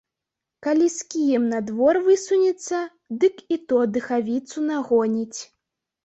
Калі з кіем на двор высунецца, дык і то дыхавіцу нагоніць.